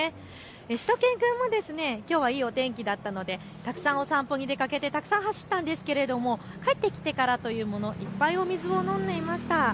しゅと犬くんもきょうはいいお天気だったのでたくさんお散歩に出かけてたくさん走ったんですが帰ってきてからいっぱいお水を飲んでいました。